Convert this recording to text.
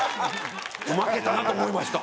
負けたなと思いました。